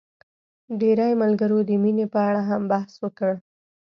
ډېری ملګرو د مينې په اړه هم بحث وکړ.